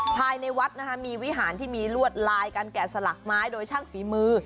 ภายในวัดนะคะมีวิหารที่มีลวดลายการแกะสลักไม้โดยช่างฝีมือ